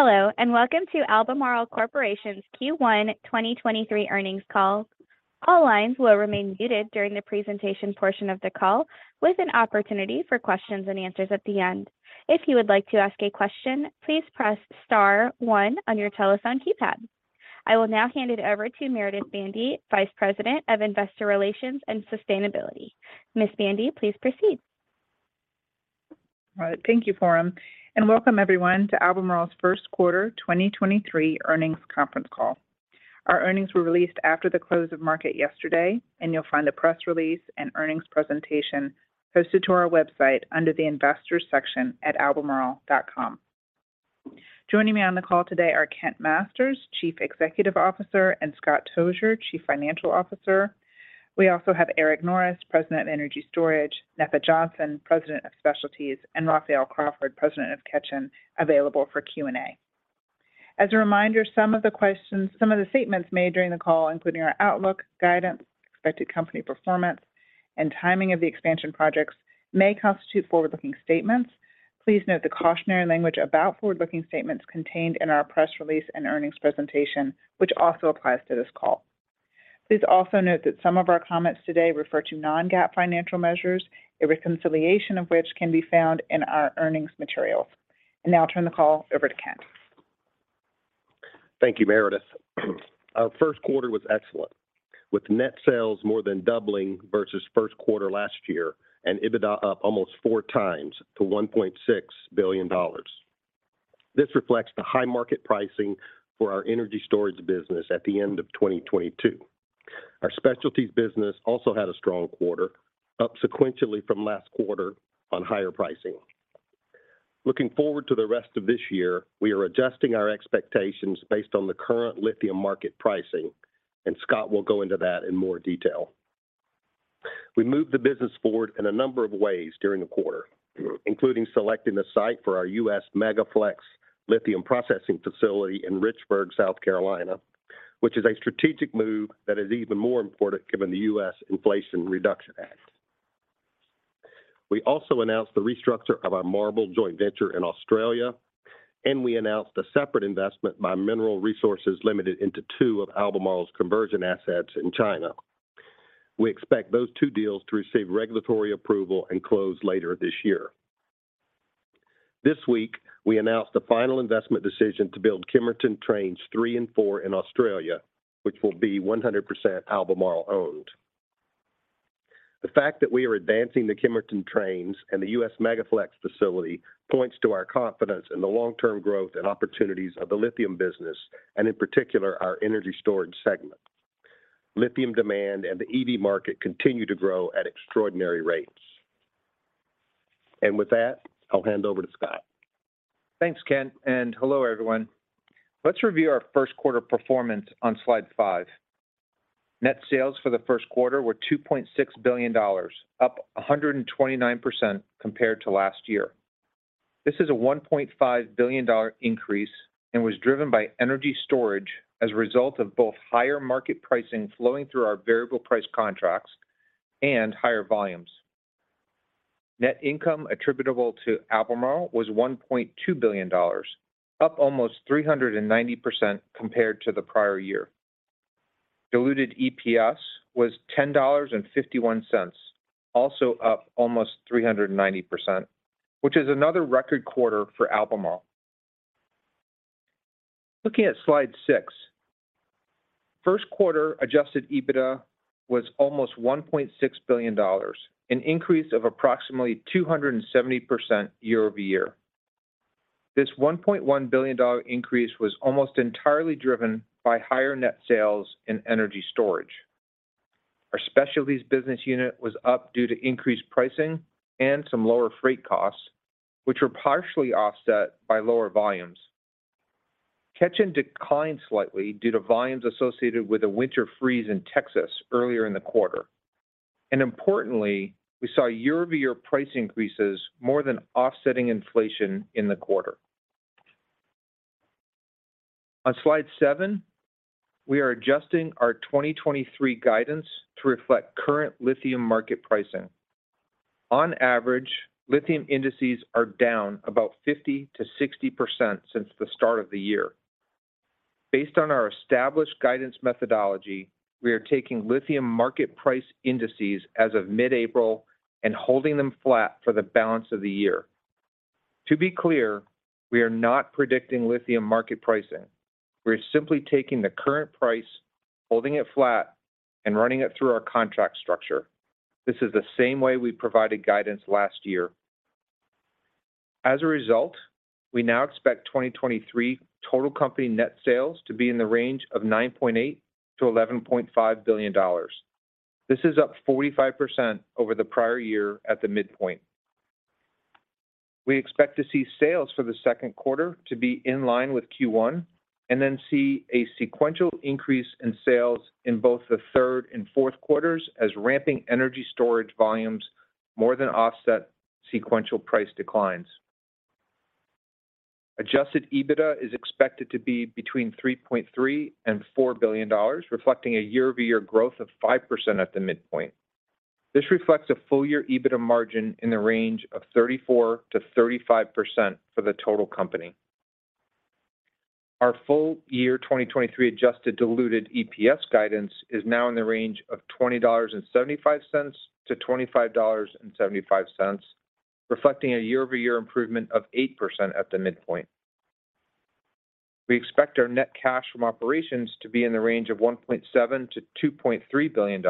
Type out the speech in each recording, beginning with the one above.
Hello, welcome to Albemarle Corporation's Q1 2023 earnings call. All lines will remain muted during the presentation portion of the call, with an opportunity for questions and answers at the end. If you would like to ask a question, please press star one on your telephone keypad. I will now hand it over to Meredith Bandy, Vice President of Investor Relations and Sustainability. Ms. Bandy, please proceed. All right. Thank you, Donna. Welcome everyone to Albemarle's first quarter 2023 earnings conference call. Our earnings were released after the close of market yesterday, and you'll find the press release and earnings presentation posted to our website under the investors section at albemarle.com. Joining me on the call today are Kent Masters, Chief Executive Officer, and Scott Tozier, Chief Financial Officer. We also have Eric Norris, President of Energy Storage, Netha Johnson, President of Specialties, and Raphael Crawford, President of Ketjen, available for Q&A. As a reminder, some of the statements made during the call, including our outlook, guidance, expected company performance, and timing of the expansion projects may constitute forward-looking statements. Please note the cautionary language about forward-looking statements contained in our press release and earnings presentation, which also applies to this call. Please also note that some of our comments today refer to non-GAAP financial measures, a reconciliation of which can be found in our earnings materials. I'll now turn the call over to Kent. Thank you, Meredith. Our first quarter was excellent, with net sales more than doubling versus first quarter last year and EBITDA up almost 4x to $1.6 billion. This reflects the high market pricing for our Energy Storage business at the end of 2022. Our Specialties business also had a strong quarter, up sequentially from last quarter on higher pricing. Looking forward to the rest of this year, we are adjusting our expectations based on the current lithium market pricing, Scott will go into that in more detail. We moved the business forward in a number of ways during the quarter, including selecting the site for our U.S. Mega-Flex lithium processing facility in Richburg, South Carolina, which is a strategic move that is even more important given the U.S. Inflation Reduction Act. We also announced the restructure of our MARBL joint venture in Australia, and we announced a separate investment by Mineral Resources Limited into two of Albemarle's conversion assets in China. We expect those two deals to receive regulatory approval and close later this year. This week we announced the final investment decision to build Kemerton Trains three and four in Australia, which will be 100% Albemarle-owned. The fact that we are advancing the Kemerton Trains and the U.S. Mega-Flex facility points to our confidence in the long-term growth and opportunities of the lithium business and, in particular, our Energy Storage segment. Lithium demand and the EV market continue to grow at extraordinary rates. With that, I'll hand over to Scott. Thanks, Kent, and hello, everyone. Let's review our first quarter performance on slide five. Net sales for the first quarter were $2.6 billion, up 129% compared to last year. This is a $1.5 billion increase and was driven by Energy Storage as a result of both higher market pricing flowing through our variable price contracts and higher volumes. Net income attributable to Albemarle was $1.2 billion, up almost 390% compared to the prior year. Diluted EPS was $10.51, also up almost 390%, which is another record quarter for Albemarle. Looking at slide six, first quarter adjusted EBITDA was almost $1.6 billion, an increase of approximately 270% year-over-year. This $1.1 billion increase was almost entirely driven by higher net sales in Energy Storage. Our Specialties business unit was up due to increased pricing and some lower freight costs, which were partially offset by lower volumes. Ketjen declined slightly due to volumes associated with a winter freeze in Texas earlier in the quarter. Importantly, we saw year-over-year price increases more than offsetting inflation in the quarter. On slide seven, we are adjusting our 2023 guidance to reflect current lithium market pricing. On average, lithium indices are down about 50%-60% since the start of the year. Based on our established guidance methodology, we are taking lithium market price indices as of mid-April and holding them flat for the balance of the year. To be clear, we are not predicting lithium market pricing. We're simply taking the current price, holding it flat, and running it through our contract structure. This is the same way we provided guidance last year. We now expect 2023 total company net sales to be in the range of $9.8 billion-$11.5 billion. This is up 45% over the prior year at the midpoint. We expect to see sales for the second quarter to be in line with Q1 and then see a sequential increase in sales in both the third and fourth quarters as ramping Energy Storage volumes more than offset sequential price declines. Adjusted EBITDA is expected to be between $3.3 billion and $4 billion, reflecting a year-over-year growth of 5% at the midpoint. This reflects a full year EBITDA margin in the range of 34%-35% for the total company. Our full year 2023 adjusted diluted EPS guidance is now in the range of $20.75-$25.75, reflecting a year-over-year improvement of 8% at the midpoint. We expect our net cash from operations to be in the range of $1.7 billion-$2.3 billion,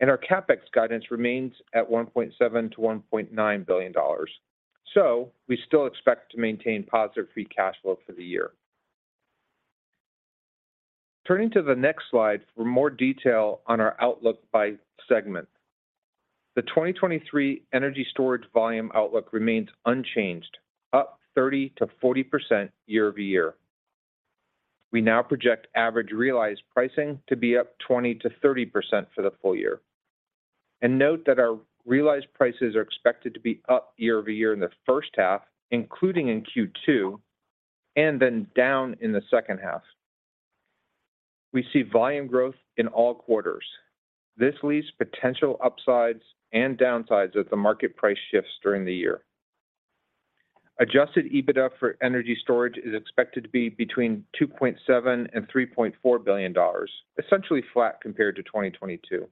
and our CapEx guidance remains at $1.7 billion-$1.9 billion. We still expect to maintain positive free cash flow for the year. Turning to the next slide for more detail on our outlook by segment. The 2023 Energy Storage volume outlook remains unchanged, up 30%-40% year-over-year. We now project average realized pricing to be up 20%-30% for the full year. Note that our realized prices are expected to be up year-over-year in the first half, including in Q2, and then down in the second half. We see volume growth in all quarters. This leaves potential upsides and downsides as the market price shifts during the year. Adjusted EBITDA for Energy Storage is expected to be between $2.7 billion and $3.4 billion, essentially flat compared to 2022.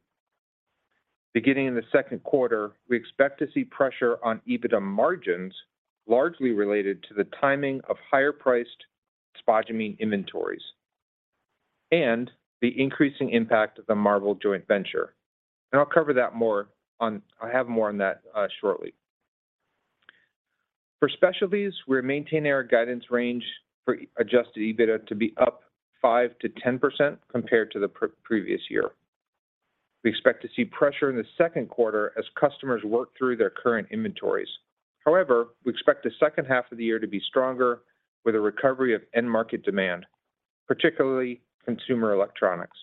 Beginning in the second quarter, we expect to see pressure on EBITDA margins, largely related to the timing of higher-priced spodumene inventories and the increasing impact of the MARBL joint venture. I have more on that shortly. For Specialties, we're maintaining our guidance range for adjusted EBITDA to be up 5%-10% compared to the pre-previous year. We expect to see pressure in the second quarter as customers work through their current inventories. We expect the second half of the year to be stronger with a recovery of end market demand, particularly consumer electronics.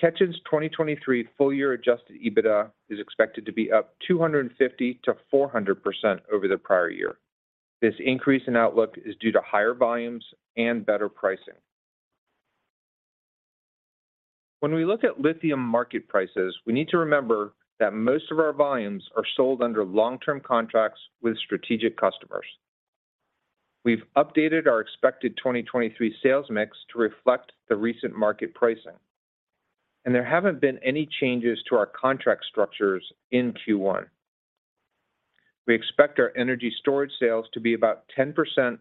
Ketjen's 2023 full year adjusted EBITDA is expected to be up 250%-400% over the prior year. This increase in outlook is due to higher volumes and better pricing. When we look at lithium market prices, we need to remember that most of our volumes are sold under long-term contracts with strategic customers. We've updated our expected 2023 sales mix to reflect the recent market pricing, and there haven't been any changes to our contract structures in Q1. We expect our Energy Storage sales to be about 10%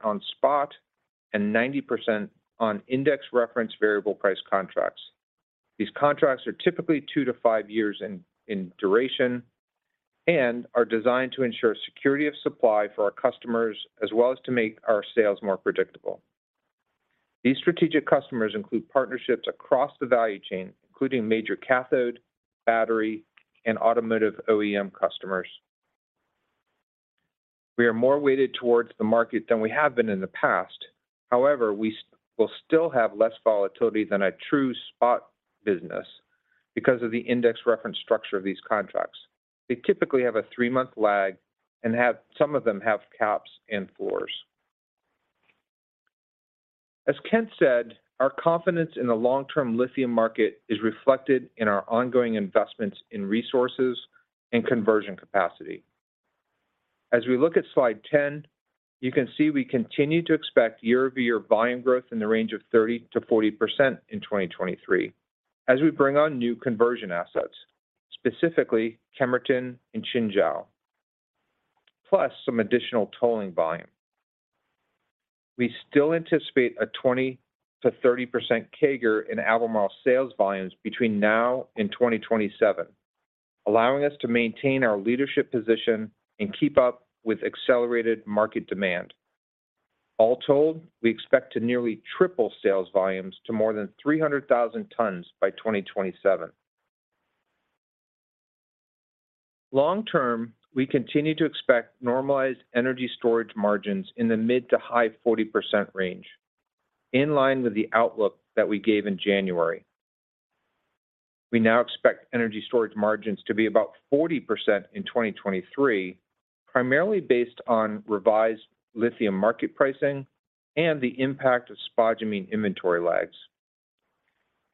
on spot and 90% on index reference variable price contracts. These contracts are typically 2 to 5 years in duration and are designed to ensure security of supply for our customers as well as to make our sales more predictable. These strategic customers include partnerships across the value chain, including major cathode, battery, and automotive OEM customers. We are more weighted towards the market than we have been in the past. However, we will still have less volatility than a true spot business because of the index reference structure of these contracts. They typically have a 3-month lag and some of them have caps and floors. As Kent said, our confidence in the long-term lithium market is reflected in our ongoing investments in resources and conversion capacity. As we look at slide 10, you can see we continue to expect year-over-year volume growth in the range of 30%-40% in 2023 as we bring on new conversion assets, specifically Kemerton and Qinzhou, plus some additional tolling volume. We still anticipate a 20%-30% CAGR in Albemarle sales volumes between now and 2027, allowing us to maintain our leadership position and keep up with accelerated market demand. All told, we expect to nearly triple sales volumes to more than 300,000 tons by 2027. Long-term, we continue to expect normalized Energy Storage margins in the mid to high 40% range, in line with the outlook that we gave in January. We now expect Energy Storage margins to be about 40% in 2023, primarily based on revised lithium market pricing and the impact of spodumene inventory lags.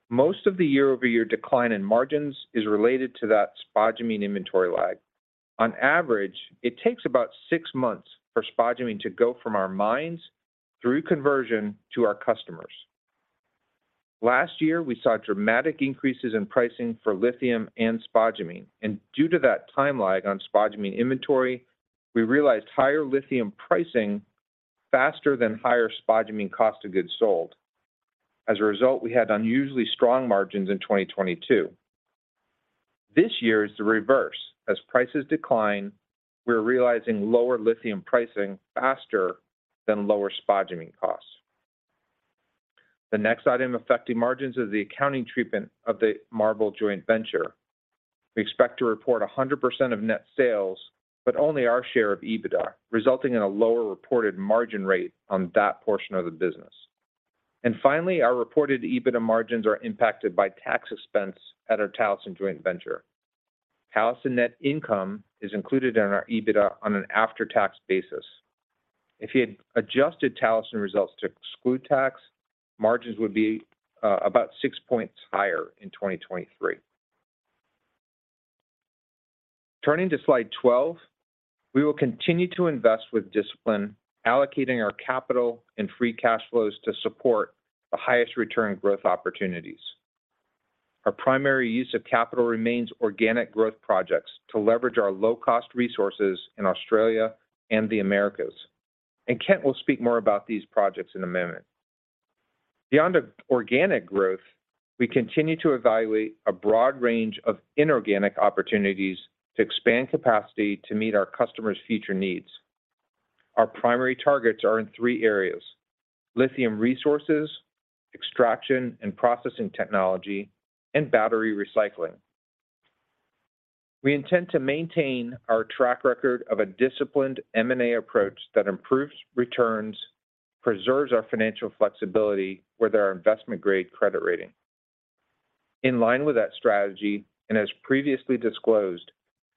Most of the year-over-year decline in margins is related to that spodumene inventory lag. On average, it takes about 6 months for spodumene to go from our mines through conversion to our customers. Last year, we saw dramatic increases in pricing for lithium and spodumene, and due to that time lag on spodumene inventory, we realized higher lithium pricing faster than higher spodumene cost of goods sold. As a result, we had unusually strong margins in 2022. This year is the reverse. As prices decline, we're realizing lower lithium pricing faster than lower spodumene costs. The next item affecting margins is the accounting treatment of the MARBL joint venture. We expect to report 100% of net sales but only our share of EBITDA, resulting in a lower reported margin rate on that portion of the business. Finally, our reported EBITDA margins are impacted by tax expense at our Talison Joint Venture. Talison net income is included in our EBITDA on an after-tax basis. If you had adjusted Talison results to exclude tax, margins would be about six points higher in 2023. Turning to slide 12, we will continue to invest with discipline, allocating our capital and free cash flows to support the highest return growth opportunities. Our primary use of capital remains organic growth projects to leverage our low-cost resources in Australia and the Americas. Kent will speak more about these projects in a moment. Beyond organic growth, we continue to evaluate a broad range of inorganic opportunities to expand capacity to meet our customers' future needs. Our primary targets are in three areas: lithium resources, extraction and processing technology, and battery recycling. We intend to maintain our track record of a disciplined M&A approach that improves returns, preserves our financial flexibility with our investment-grade credit rating. In line with that strategy, as previously disclosed,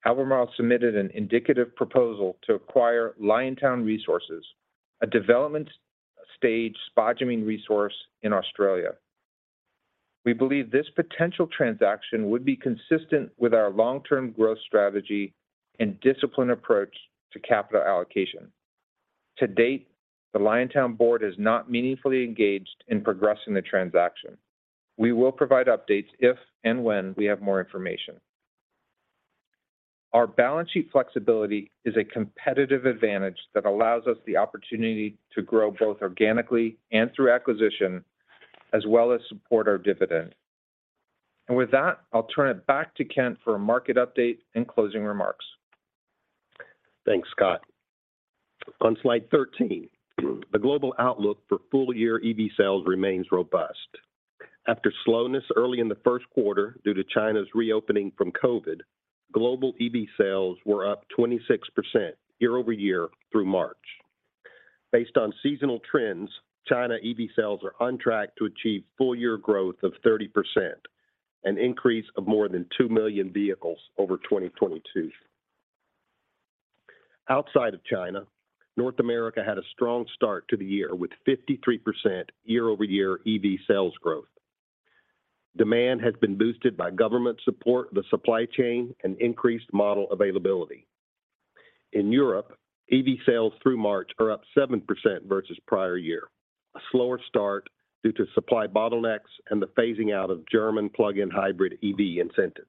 Albemarle submitted an indicative proposal to acquire Liontown Resources, a development-stage spodumene resource in Australia. We believe this potential transaction would be consistent with our long-term growth strategy and disciplined approach to capital allocation. To date, the Liontown board has not meaningfully engaged in progressing the transaction. We will provide updates if and when we have more information. Our balance sheet flexibility is a competitive advantage that allows us the opportunity to grow both organically and through acquisition, as well as support our dividend. With that, I'll turn it back to Kent for a market update and closing remarks. Thanks, Scott. On slide 13, the global outlook for full-year EV sales remains robust. After slowness early in the first quarter due to China's reopening from COVID, global EV sales were up 26% year-over-year through March. Based on seasonal trends, China EV sales are on track to achieve full-year growth of 30%, an increase of more than 2 million vehicles over 2022. Outside of China, North America had a strong start to the year with 53% year-over-year EV sales growth. Demand has been boosted by government support, the supply chain, and increased model availability. In Europe, EV sales through March are up 7% versus prior year, a slower start due to supply bottlenecks and the phasing out of German plug-in hybrid EV incentives.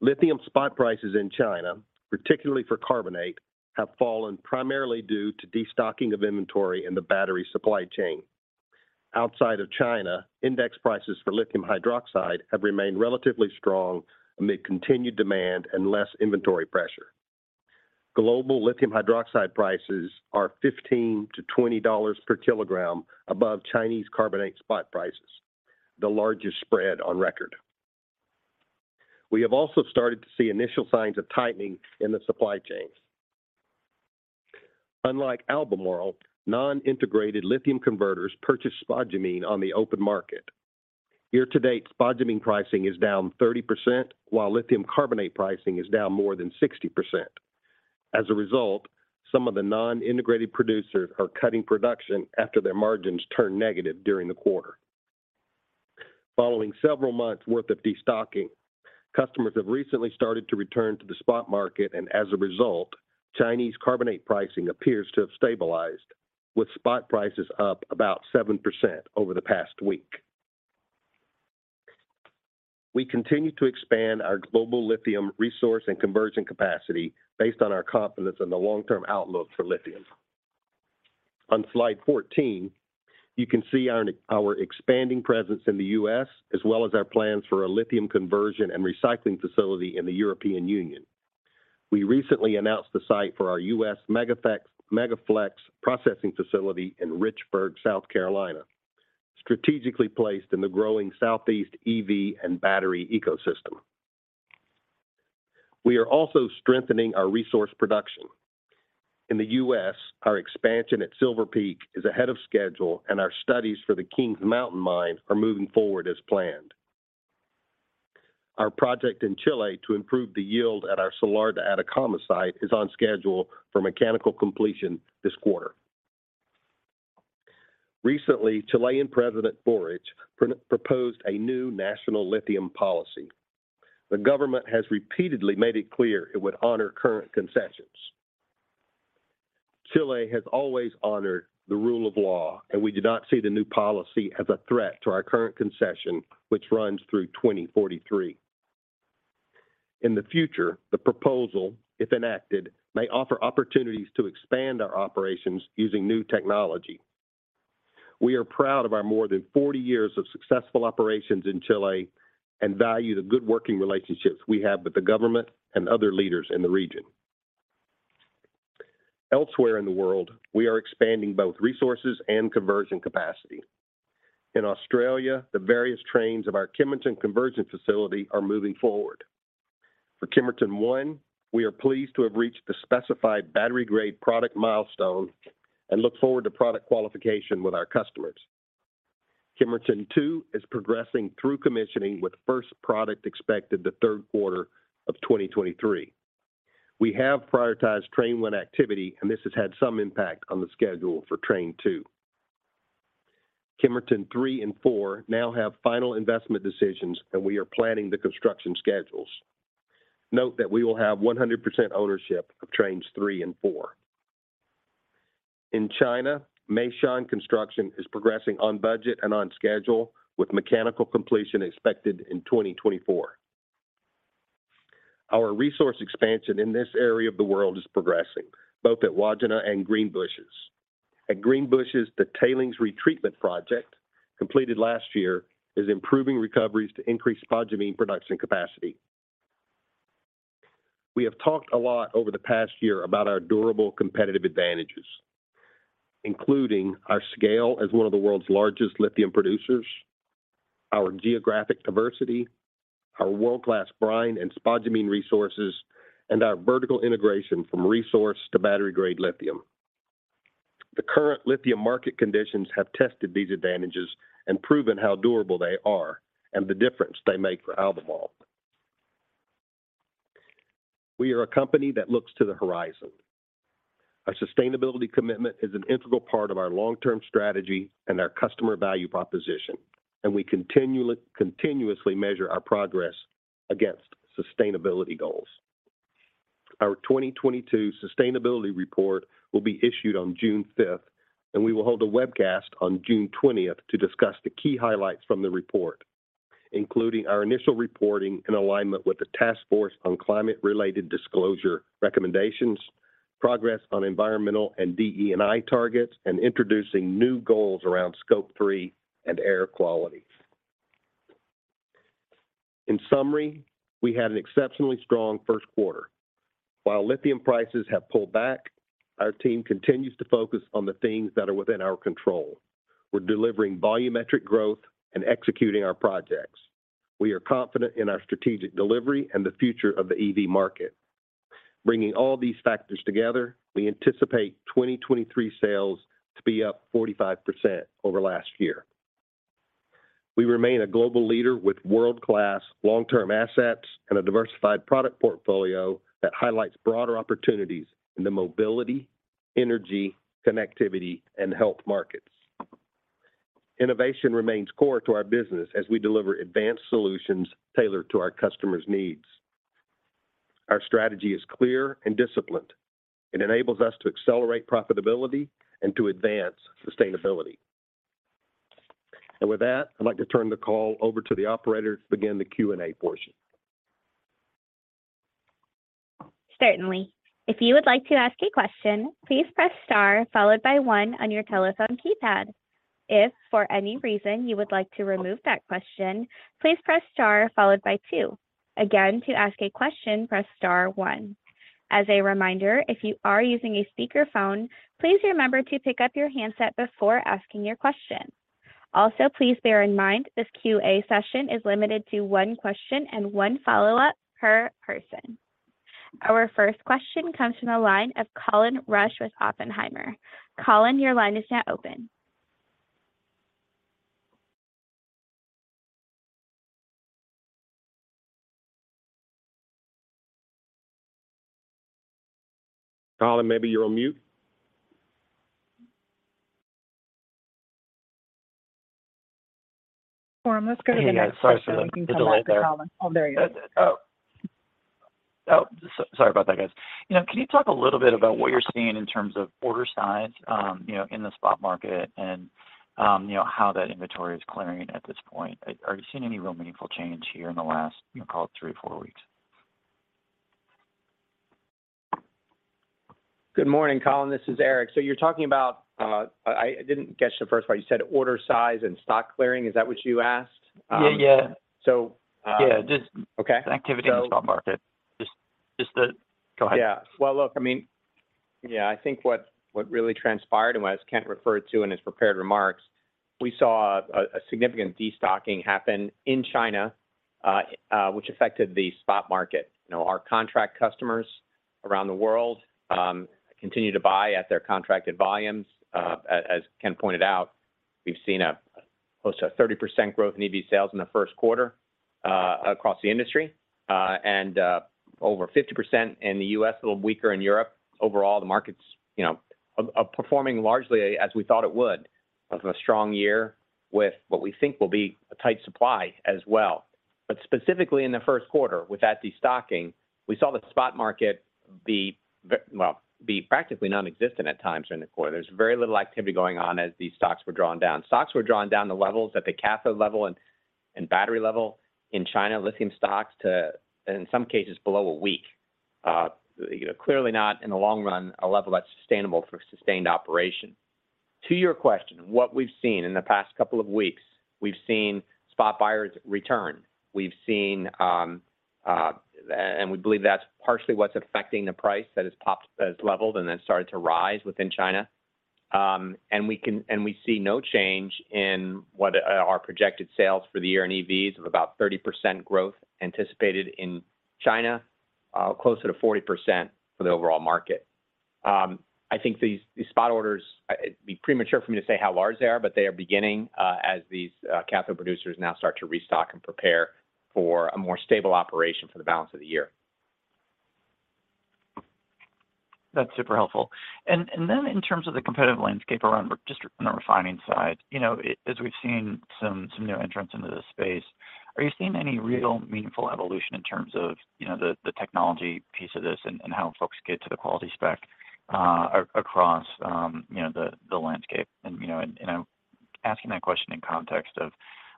Lithium spot prices in China, particularly for carbonate, have fallen primarily due to destocking of inventory in the battery supply chain. Outside of China, index prices for lithium hydroxide have remained relatively strong amid continued demand and less inventory pressure. Global lithium hydroxide prices are $15-$20 per kilogram above Chinese carbonate spot prices, the largest spread on record. We have also started to see initial signs of tightening in the supply chains. Unlike Albemarle, non-integrated lithium converters purchase spodumene on the open market. Year to date, spodumene pricing is down 30%, while lithium carbonate pricing is down more than 60%. As a result, some of the non-integrated producers are cutting production after their margins turned negative during the quarter. Following several months' worth of destocking, customers have recently started to return to the spot market. As a result, Chinese carbonate pricing appears to have stabilized, with spot prices up about 7% over the past week. We continue to expand our global lithium resource and conversion capacity based on our confidence in the long-term outlook for lithium. On slide 14, you can see our expanding presence in the U.S., as well as our plans for a lithium conversion and recycling facility in the European Union. We recently announced the site for our U.S. Mega-Flex processing facility in Richburg, South Carolina, strategically placed in the growing Southeast EV and battery ecosystem. We are also strengthening our resource production. In the U.S., our expansion at Silver Peak is ahead of schedule. Our studies for the Kings Mountain mine are moving forward as planned. Our project in Chile to improve the yield at our Salar de Atacama site is on schedule for mechanical completion this quarter. Recently, Chilean President Boric proposed a new national lithium policy. The government has repeatedly made it clear it would honor current concessions. Chile has always honored the rule of law, and we do not see the new policy as a threat to our current concession, which runs through 2043. In the future, the proposal, if enacted, may offer opportunities to expand our operations using new technology. We are proud of our more than 40 years of successful operations in Chile and value the good working relationships we have with the government and other leaders in the region. Elsewhere in the world, we are expanding both resources and conversion capacity. In Australia, the various trains of our Kemerton conversion facility are moving forward. For Kemerton 1, we are pleased to have reached the specified battery-grade product milestone and look forward to product qualification with our customers. Kemerton 2 is progressing through commissioning with first product expected the third quarter of 2023. We have prioritized train 1 activity, and this has had some impact on the schedule for train 2. Kemerton 3 and 4 now have final investment decisions, and we are planning the construction schedules. Note that we will have 100% ownership of trains 3 and 4. In China, Meishan construction is progressing on budget and on schedule with mechanical completion expected in 2024. Our resource expansion in this area of the world is progressing both at Wodgina and Greenbushes. At Greenbushes, the tailings retreatment project, completed last year, is improving recoveries to increase spodumene production capacity. We have talked a lot over the past year about our durable competitive advantages, including our scale as one of the world's largest lithium producers, our geographic diversity, our world-class brine and spodumene resources, and our vertical integration from resource to battery-grade lithium. The current lithium market conditions have tested these advantages and proven how durable they are and the difference they make for Albemarle. We are a company that looks to the horizon. Our sustainability commitment is an integral part of our long-term strategy and our customer value proposition, we continuously measure our progress against sustainability goals. Our 2022 sustainability report will be issued on June 5th. We will hold a webcast on June 20th to discuss the key highlights from the report, including our initial reporting and alignment with the Task Force on Climate-related Financial Disclosures, progress on environmental and DE&I targets, and introducing new goals around Scope 3 and air quality. In summary, we had an exceptionally strong first quarter. While lithium prices have pulled back, our team continues to focus on the things that are within our control. We're delivering volumetric growth and executing our projects. We are confident in our strategic delivery and the future of the EV market. Bringing all these factors together, we anticipate 2023 sales to be up 45% over last year. We remain a global leader with world-class long-term assets and a diversified product portfolio that highlights broader opportunities in the mobility, energy, connectivity and health markets. Innovation remains core to our business as we deliver advanced solutions tailored to our customers' needs. Our strategy is clear and disciplined. It enables us to accelerate profitability and to advance sustainability. With that, I'd like to turn the call over to the operator to begin the Q&A portion. Certainly. If you would like to ask a question, please press star followed by 1 on your telephone keypad. If for any reason you would like to remove that question, please press star followed by 2. Again, to ask a question, press star 1. As a reminder, if you are using a speakerphone, please remember to pick up your handset before asking your question. Also, please bear in mind this Q&A session is limited to 1 question and 1 follow-up per person. Our first question comes from the line of Colin Rusch with Oppenheimer. Colin, your line is now open. Colin, maybe you're on mute. Warren, let's go to the next question. Hey, guys. Sorry for the delay there. We can come back to Colin. Oh, there he is. That's it. Oh, sorry about that, guys. You know, can you talk a little bit about what you're seeing in terms of order size, you know, in the spot market and, you know, how that inventory is clearing at this point? Are you seeing any real meaningful change here in the last, you know, call it three or four weeks? Good morning, Colin. This is Eric. You're talking about, I didn't catch the first part. You said order size and stock clearing. Is that what you asked? Yeah, yeah. So, uh- Yeah. Okay. An activity in the stock market. Go ahead. Well, look, I mean, I think what really transpired, and what as Kent referred to in his prepared remarks, we saw a significant destocking happen in China, which affected the spot market. You know, our contract customers around the world continue to buy at their contracted volumes. As Kent pointed out, we've seen a close to 30% growth in EV sales in the first quarter across the industry and over 50% in the U.S., a little weaker in Europe. Overall, the market's, you know, performing largely as we thought it would. Having a strong year with what we think will be a tight supply as well. Specifically in the first quarter, with that destocking, we saw the spot market be practically nonexistent at times during the quarter. There was very little activity going on as these stocks were drawn down. Stocks were drawn down to levels at the cathode level and battery level. In China, lithium stocks to, in some cases below a week. you know, clearly not, in the long run, a level that's sustainable for sustained operation. To your question, what we've seen in the past couple of weeks, we've seen spot buyers return. We've seen. We believe that's partially what's affecting the price that has popped, has leveled, and then started to rise within China. We see no change in what, our projected sales for the year in EVs of about 30% growth anticipated in China, closer to 40% for the overall market. I think these spot orders, it'd be premature for me to say how large they are, but they are beginning, as these cathode producers now start to restock and prepare for a more stable operation for the balance of the year. That's super helpful. Then in terms of the competitive landscape around just from the refining side, you know, as we've seen some new entrants into this space, are you seeing any real meaningful evolution in terms of, you know, the technology piece of this and how folks get to the quality spec across, you know, the landscape? You know, asking that question in context of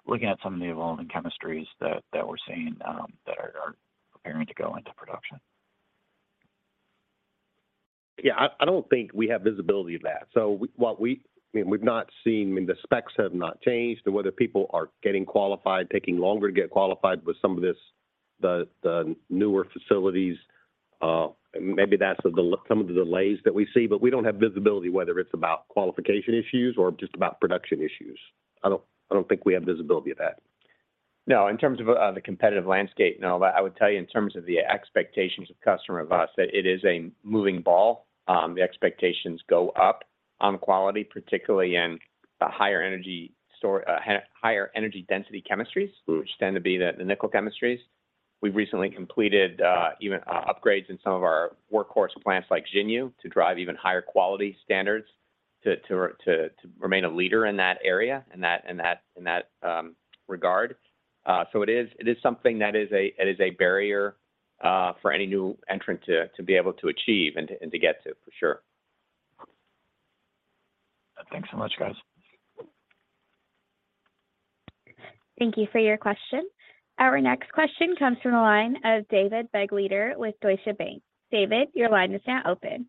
looking at some of the evolving chemistries that we're seeing that are preparing to go into production. Yeah. I don't think we have visibility of that. I mean, we've not seen. I mean, the specs have not changed to whether people are getting qualified, taking longer to get qualified with some of the newer facilities. Maybe that's some of the delays that we see, but we don't have visibility whether it's about qualification issues or just about production issues. I don't think we have visibility of that. No, in terms of the competitive landscape. I would tell you in terms of the expectations of customer of us, that it is a moving ball. The expectations go up on quality, particularly in the higher energy density chemistries. Mm-hmm which tend to be the nickel chemistries. We've recently completed even upgrades in some of our workhorse plants like Xinyu to drive even higher quality standards to remain a leader in that regard. It is something that is a barrier for any new entrant to be able to achieve and to get to, for sure. Thanks so much, guys. Thank you for your question. Our next question comes from the line of David Begleiter with Deutsche Bank. David, your line is now open.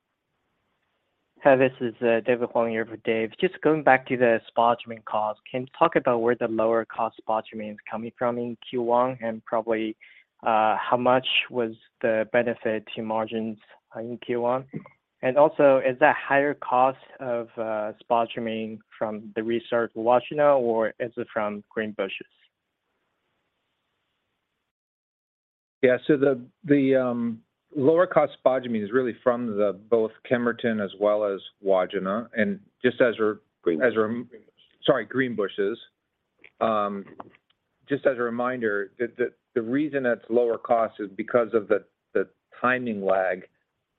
Hi, this is David. Calling you with Dave. Just going back to the spodumene cost, can you talk about where the lower cost spodumene is coming from in Q1, and probably, how much was the benefit to margins in Q1? Also, is that higher cost of spodumene from the restart Wodgina or is it from Greenbushes? Yeah. The lower cost spodumene is really from the both Kemerton as well as Wodgina. Greenbushes. Sorry, Greenbushes. Just as a reminder, the reason that's lower cost is because of the timing lag,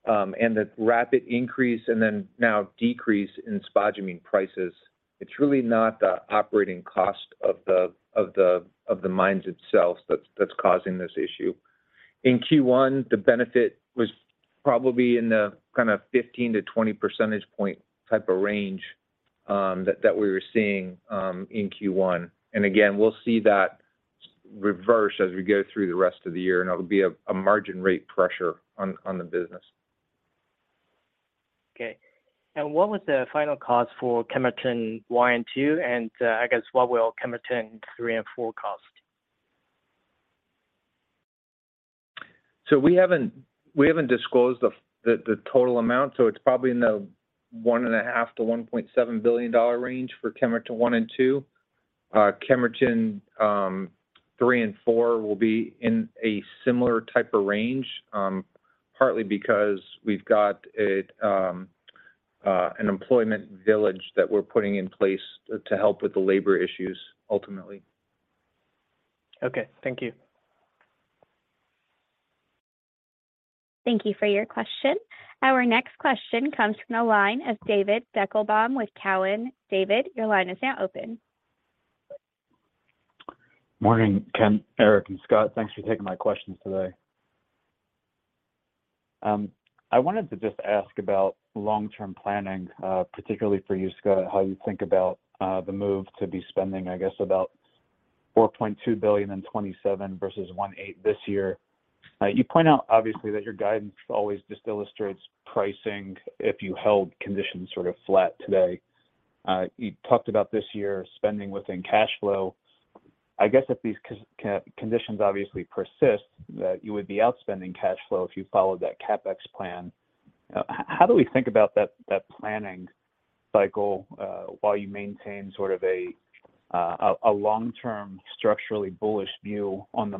and the rapid increase and then now decrease in spodumene prices. It's really not the operating cost of the mines itself that's causing this issue. In Q1, the benefit was probably in the kind of 15 to 20 percentage point type of range that we were seeing in Q1. Again, we'll see that reverse as we go through the rest of the year, and it'll be a margin rate pressure on the business. Okay. What was the final cost for Kemerton 1 and 2, and, I guess what will Kemerton 3 and 4 cost? We haven't, we haven't disclosed the total amount, so it's probably in the $1.5 billion-$1.7 billion range for Kemerton 1 and 2. Kemerton 3 and 4 will be in a similar type of range, partly because we've got it an employment village that we're putting in place to help with the labor issues ultimately. Okay. Thank you. Thank you for your question. Our next question comes from the line of David Deckelbaum with Cowen. David, your line is now open. Morning, Kent, Eric, and Scott. Thanks for taking my questions today. I wanted to just ask about long-term planning, particularly for you, Scott, how you think about the move to be spending, I guess, about $4.2 billion in 2027 versus $1.8 billion this year. You point out obviously that your guidance always just illustrates pricing if you held conditions sort of flat today. You talked about this year spending within cash flow. I guess if these conditions obviously persist, that you would be outspending cash flow if you followed that CapEx plan. How do we think about that planning cycle, while you maintain sort of a long-term structurally bullish view on the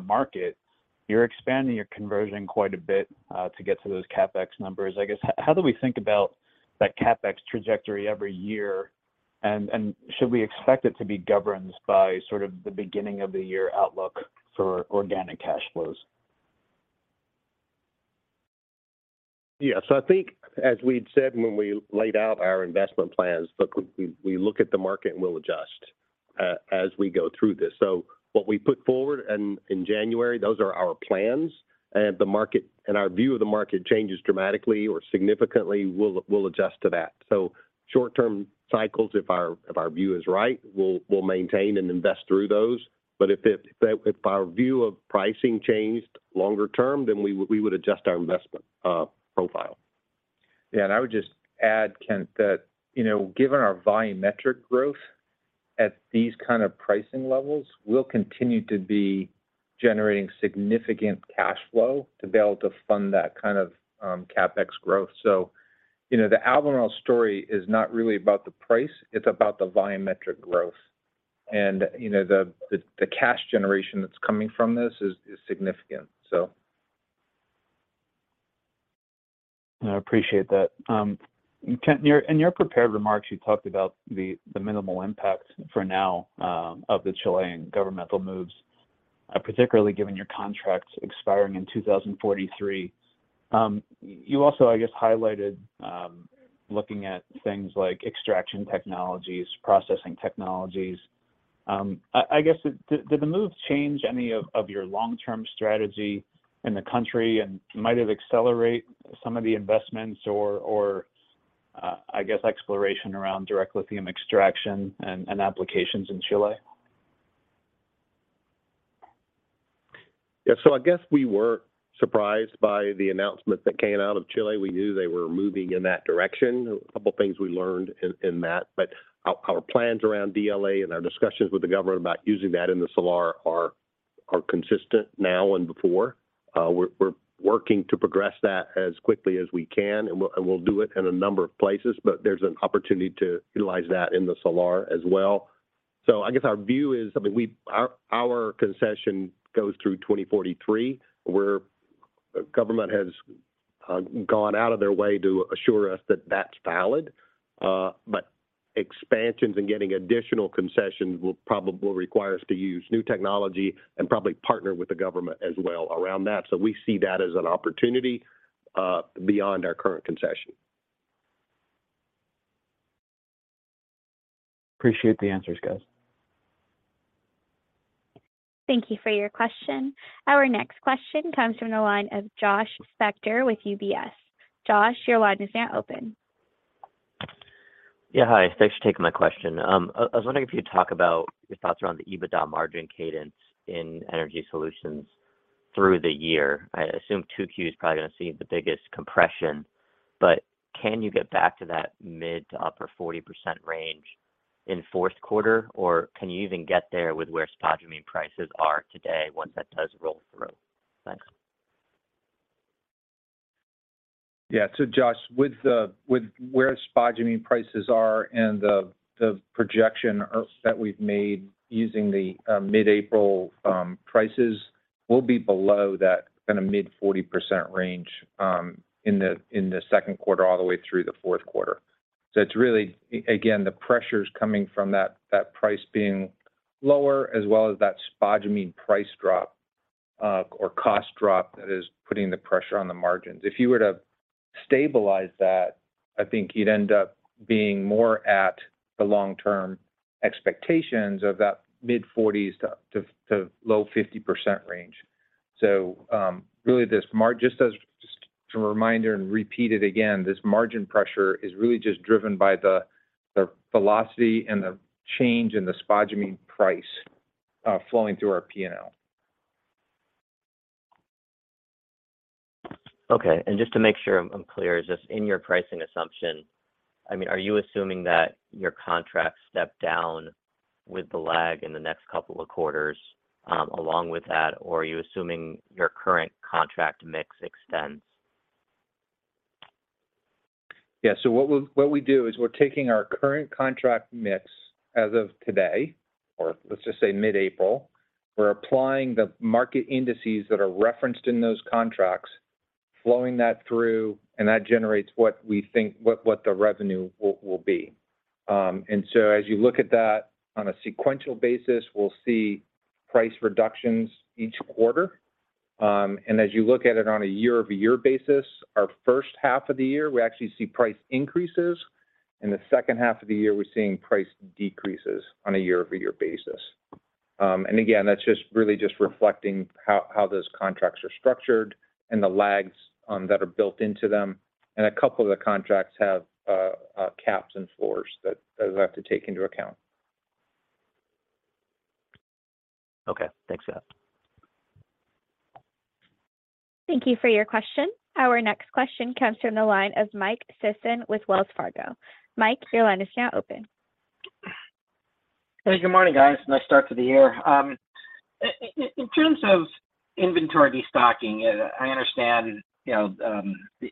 market? You're expanding your conversion quite a bit to get to those CapEx numbers. I guess, how do we think about that CapEx trajectory every year, and should we expect it to be governed by sort of the beginning of the year outlook for organic cash flows? I think as we'd said when we laid out our investment plans, look, we look at the market and we'll adjust as we go through this. What we put forward in January, those are our plans. If the market, and our view of the market changes dramatically or significantly, we'll adjust to that. Short-term cycles, if our view is right, we'll maintain and invest through those. If it, if our view of pricing changed longer term, then we would adjust our investment profile. Yeah. I would just add, Kent, that, you know, given our volumetric growth at these kind of pricing levels, we'll continue to be generating significant cash flow to be able to fund that kind of CapEx growth. You know, the Albemarle story is not really about the price, it's about the volumetric growth. You know, the cash generation that's coming from this is significant. I appreciate that. Kent, in your prepared remarks, you talked about the minimal impact for now of the Chilean governmental moves, particularly given your contracts expiring in 2043. You also, I guess, highlighted looking at things like extraction technologies, processing technologies. I guess, did the moves change any of your long-term strategy in the country? Might it accelerate some of the investments or, I guess, exploration around Direct Lithium Extraction and applications in Chile? I guess we were surprised by the announcement that came out of Chile. We knew they were moving in that direction. A couple things we learned in that. Our plans around DLA and our discussions with the government about using that in the Salar are consistent now and before. We're working to progress that as quickly as we can, and we'll do it in a number of places. There's an opportunity to utilize that in the Salar as well. I guess our view is, I mean, our concession goes through 2043, where government has gone out of their way to assure us that that's valid. Expansions and getting additional concessions will probably require us to use new technology and probably partner with the government as well around that. We see that as an opportunity, beyond our current concession. Appreciate the answers, guys. Thank you for your question. Our next question comes from the line of Joshua Spector with UBS. Josh, your line is now open. Hi. Thanks for taking my question. I was wondering if you could talk about your thoughts around the EBITDA margin cadence in Energy Storage through the year. I assume 2Q is probably gonna see the biggest compression, but can you get back to that mid to upper 40% range in 4Q, or can you even get there with where spodumene prices are today once that does roll through? Thanks. Josh, with where spodumene prices are and the projection that we've made using the mid-April prices, we'll be below that kinda mid 40% range in the second quarter all the way through the fourth quarter. It's really, again, the pressure's coming from that price being lower as well as that spodumene price drop or cost drop that is putting the pressure on the margins. If you were to stabilize that, I think you'd end up being more at the long-term expectations of that mid-40s to low 50% range. Really just a reminder and repeat it again, this margin pressure is really just driven by the velocity and the change in the spodumene price flowing through our P&L. Okay. Just to make sure I'm clear, is this in your pricing assumption... I mean, are you assuming that your contracts step down with the lag in the next couple of quarters, along with that? Or are you assuming your current contract mix extends? What we do is we're taking our current contract mix as of today, or let's just say mid-April. We're applying the market indices that are referenced in those contracts, flowing that through, and that generates what we think, what the revenue will be. As you look at that on a sequential basis, we'll see price reductions each quarter. As you look at it on a year-over-year basis, our first half of the year, we actually see price increases. In the second half of the year, we're seeing price decreases on a year-over-year basis. Again, that's just really just reflecting how those contracts are structured and the lags that are built into them. A couple of the contracts have caps and floors that those will have to take into account. Okay. Thanks for that. Thank you for your question. Our next question comes from the line of Michael Sison with Wells Fargo. Mike, your line is now open. Hey, good morning, guys. Nice start to the year. In terms of inventory destocking, I understand, you know,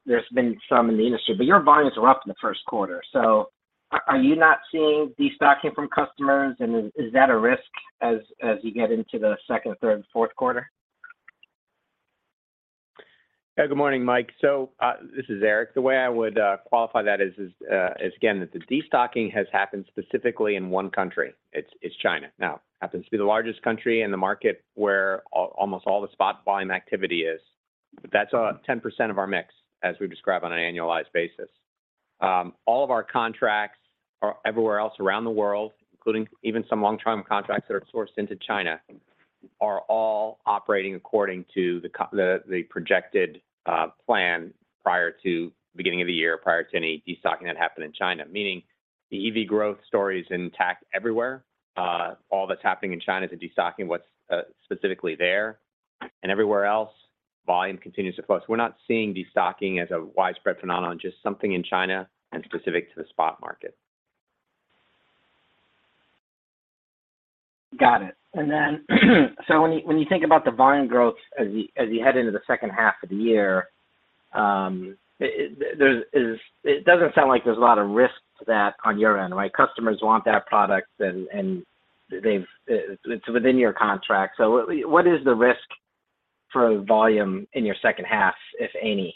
there's been some in the industry, but your volumes were up in the first quarter. Are you not seeing destocking from customers, and is that a risk as you get into the second, third, and fourth quarter? Good morning, Mike. This is Eric. The way I would qualify that is again, that the destocking has happened specifically in one country. It's China. Happens to be the largest country in the market where almost all the spot volume activity is, but that's 10% of our mix as we've described on an annualized basis. All of our contracts are everywhere else around the world, including even some long-term contracts that are sourced into China, are all operating according to the projected plan prior to the beginning of the year, prior to any destocking that happened in China. Meaning the EV growth story is intact everywhere. All that's happening in China is the destocking what's specifically there. Everywhere else, volume continues to flow. We're not seeing destocking as a widespread phenomenon, just something in China and specific to the spot market. Got it. When you think about the volume growth as you head into the second half of the year, it doesn't sound like there's a lot of risk to that on your end, right? Customers want that product, and it's within your contract. What is the risk for volume in your second half, if any?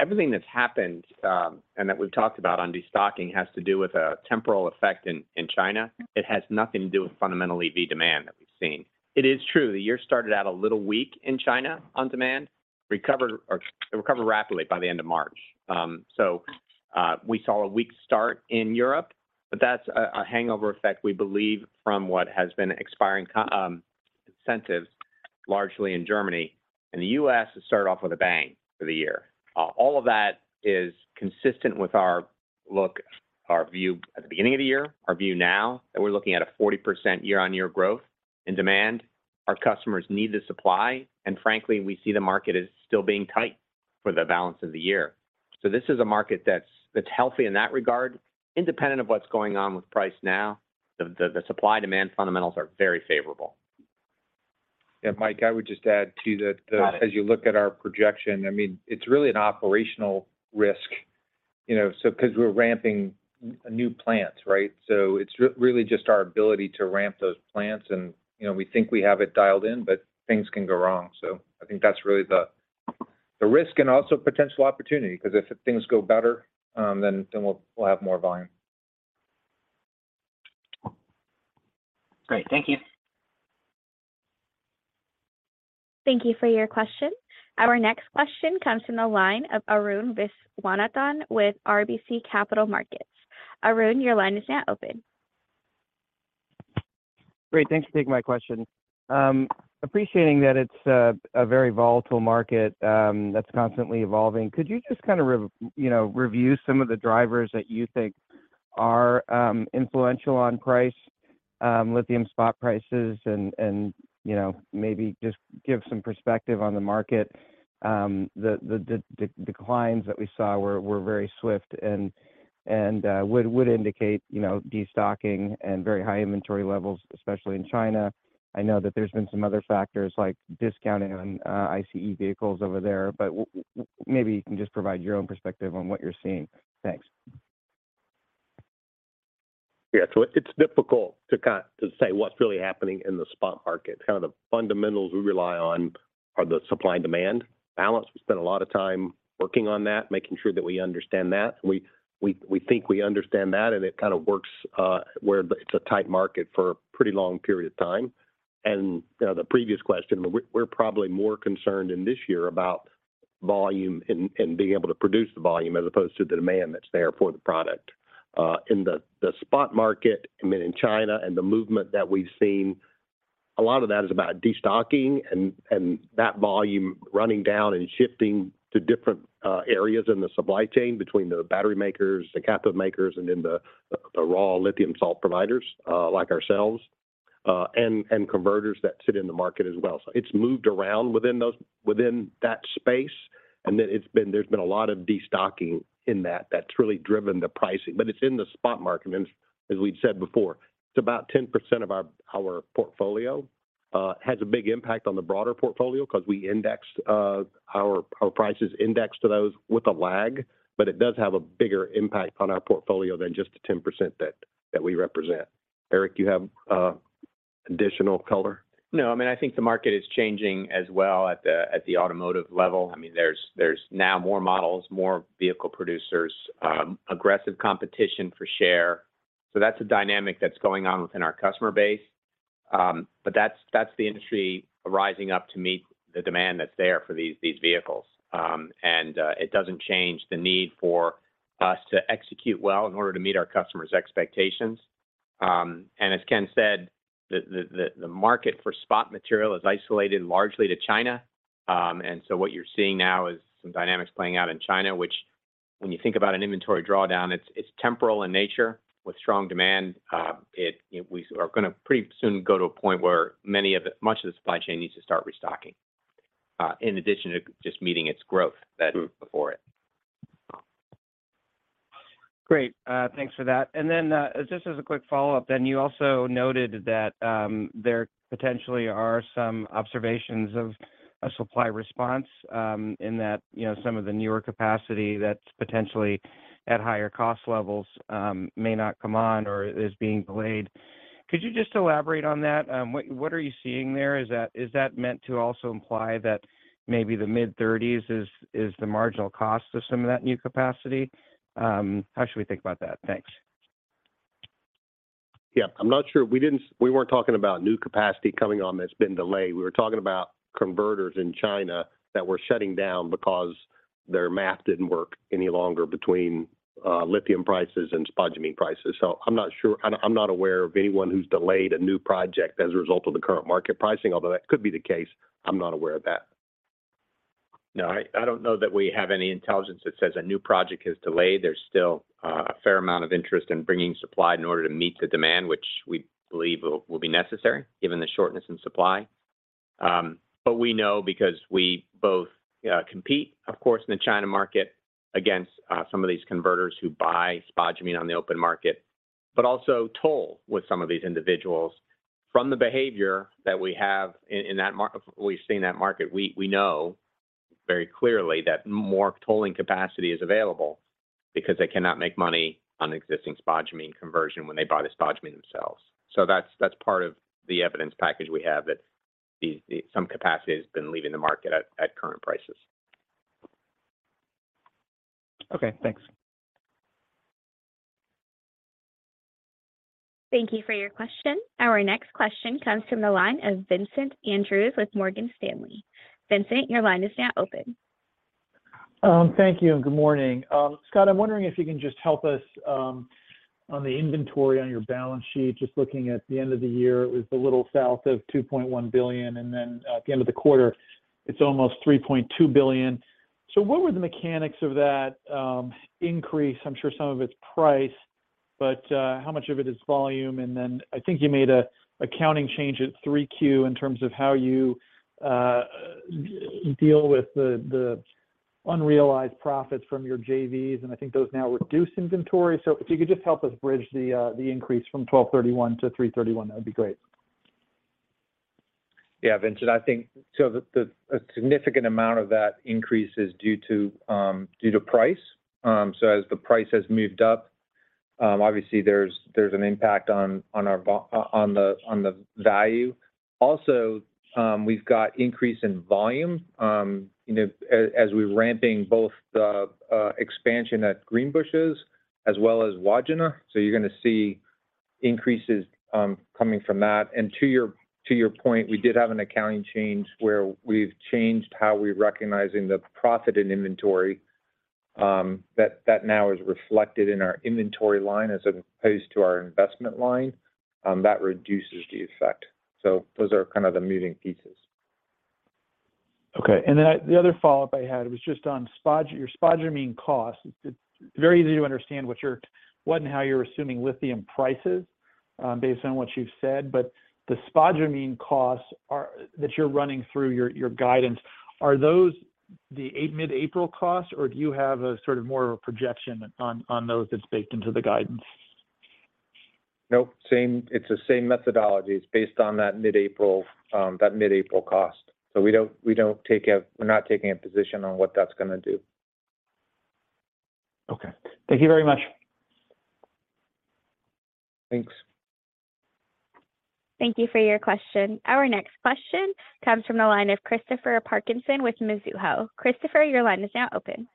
Everything that's happened and that we've talked about on destocking has to do with a temporal effect in China. It has nothing to do with fundamentally the demand that we've seen. It is true, the year started out a little weak in China on demand, recovered rapidly by the end of March. We saw a weak start in Europe, that's a hangover effect we believe, from what has been expiring incentives largely in Germany. The U.S. has started off with a bang for the year. All of that is consistent with our look, our view at the beginning of the year, our view now, that we're looking at a 40% year-on-year growth in demand. Our customers need the supply, and frankly, we see the market as still being tight for the balance of the year. This is a market that's healthy in that regard. Independent of what's going on with price now, the supply demand fundamentals are very favorable. Yeah, Mike, I would just add to the. Got it.... as you look at our projection, I mean, it's really an operational risk, you know, because we're ramping new plants, right? It's really just our ability to ramp those plants and, you know, we think we have it dialed in, things can go wrong. I think that's really the risk and also potential opportunity, because if things go better, then we'll have more volume. Great. Thank you. Thank you for your question. Our next question comes from the line of Arun Viswanathan with RBC Capital Markets. Arun, your line is now open. Great. Thanks for taking my question. Appreciating that it's a very volatile market that's constantly evolving, could you just kind of, you know, review some of the drivers that you think are influential on price, lithium spot prices and, you know, maybe just give some perspective on the market. The declines that we saw were very swift and would indicate, you know, destocking and very high inventory levels, especially in China. I know that there's been some other factors like discounting on ICE vehicles over there, but maybe you can just provide your own perspective on what you're seeing. Thanks. It's difficult to say what's really happening in the spot market. Kind of the fundamentals we rely on are the supply and demand balance. We spend a lot of time working on that, making sure that we understand that. We think we understand that, and it kind of works where it's a tight market for a pretty long period of time. You know, the previous question, we're probably more concerned in this year about volume and being able to produce the volume as opposed to the demand that's there for the product. In the spot market, I mean, in China and the movement that we've seen, a lot of that is about destocking and that volume running down and shifting to different areas in the supply chain between the battery makers, the cathode makers, and then the raw lithium salt providers, like ourselves, and converters that sit in the market as well. It's moved around within that space. Then there's been a lot of destocking in that that's really driven the pricing. It's in the spot market. As we've said before, it's about 10% of our portfolio. Has a big impact on the broader portfolio because we index, our prices index to those with a lag. It does have a bigger impact on our portfolio than just the 10% that we represent. Eric, you have additional color? No. I mean, I think the market is changing as well at the, at the automotive level. I mean, there's now more models, more vehicle producers, aggressive competition for share. That's a dynamic that's going on within our customer base. That's, that's the industry rising up to meet the demand that's there for these vehicles. It doesn't change the need for us to execute well in order to meet our customers' expectations. As Ken said, the, the market for spot material is isolated largely to China. What you're seeing now is some dynamics playing out in China, which when you think about an inventory drawdown, it's temporal in nature with strong demand. We are gonna pretty soon go to a point where much of the supply chain needs to start restocking in addition to just meeting its growth that's before it. Great. Thanks for that. Just as a quick follow-up then, you also noted that there potentially are some observations of a supply response in that, you know, some of the newer capacity that's potentially at higher cost levels may not come on or is being delayed. Could you just elaborate on that? What are you seeing there? Is that meant to also imply that maybe the mid-30s is the marginal cost of some of that new capacity? How should we think about that? Thanks. I'm not sure. We weren't talking about new capacity coming on that's been delayed. We were talking about converters in China that were shutting down because their math didn't work any longer between lithium prices and spodumene prices. I'm not sure. I'm not aware of anyone who's delayed a new project as a result of the current market pricing, although that could be the case. I'm not aware of that. I don't know that we have any intelligence that says a new project is delayed. There's still a fair amount of interest in bringing supply in order to meet the demand, which we believe will be necessary given the shortness in supply. We know because we both compete, of course, in the China market against some of these converters who buy spodumene on the open market. Also toll with some of these individuals. From the behavior that we have in that market, we've seen that market, we know very clearly that more tolling capacity is available because they cannot make money on existing spodumene conversion when they buy the spodumene themselves. That's part of the evidence package we have that some capacity has been leaving the market at current prices. Okay, thanks. Thank you for your question. Our next question comes from the line of Vincent Andrews with Morgan Stanley. Vincent, your line is now open. Thank you and good morning. Scott, I'm wondering if you can just help us on the inventory on your balance sheet. Just looking at the end of the year, it was a little south of $2.1 billion, and then at the end of the quarter it's almost $3.2 billion. What were the mechanics of that increase? I'm sure some of it's price, but how much of it is volume? I think you made an accounting change at 3Q in terms of how you deal with the unrealized profits from your JVs, and I think those now reduce inventory. If you could just help us bridge the increase from 12/31 to 3/31, that'd be great. Yeah, Vincent, I think so the a significant amount of that increase is due to price. As the price has moved up, obviously there's an impact on our on the value. Also, we've got increase in volume, you know, as we're ramping both the expansion at Greenbushes as well as Wodgina. You're gonna see increases coming from that. To your point, we did have an accounting change where we've changed how we're recognizing the profit in inventory, that now is reflected in our inventory line as opposed to our investment line, that reduces the effect. Those are kind of the moving pieces. Okay. The other follow-up I had was just on your spodumene costs. It's very easy to understand what and how you're assuming lithium prices, based on what you've said, but the spodumene costs that you're running through your guidance. Are those the mid-April costs, or do you have a sort of more of a projection on those that's baked into the guidance? Nope. Same. It's the same methodology. It's based on that mid-April, that mid-April cost. We don't, we're not taking a position on what that's gonna do. Okay. Thank you very much. Thanks. Thank you for your question. Our next question comes from the line of Christopher Parkinson with Mizuho. Christopher, your line is now open.